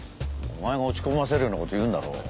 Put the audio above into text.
お前が落ち込ませるようなこと言うんだろ。